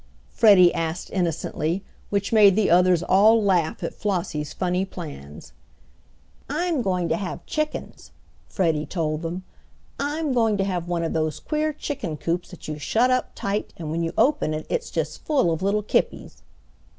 Freddie asked innocently, which made the others all laugh at Flossie's funny plans. "I'm going to have chickens," Freddie told them. "I'm going to have one of those queer chicken coops that you shut up tight and when you open it it's just full of little 'kippies.'"